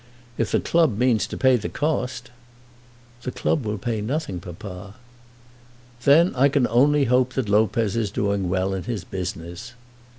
If the club mean to pay the cost " "The club will pay nothing, papa." "Then I can only hope that Lopez is doing well in his business!"